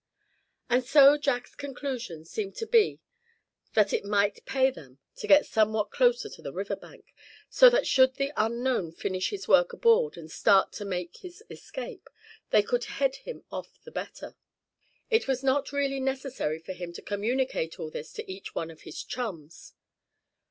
And so Jack's conclusion seemed to be that it might pay them to get somewhat closer to the river bank, so that should the unknown finish his work aboard, and start to make his escape, they could head him off the better. It was not really necessary for him to communicate all this to each one of his chums.